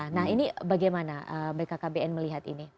nah ini bagaimana bkkbn melihat ini